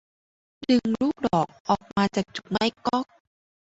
ดึงลูกดอกออกจากจุกไม้ก๊อก